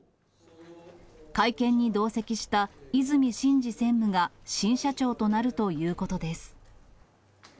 会見に同席した和泉伸二専務が新社長になるということです。